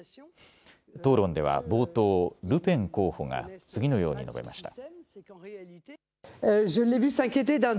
討論では冒頭、ルペン候補が次のように述べました。